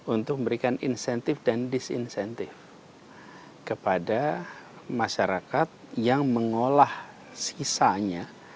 untuk memberikan insentif dan disinsentif kepada masyarakat yang mengolah sisanya